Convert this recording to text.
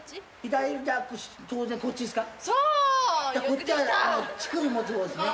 こっちは乳首持つ方ですね。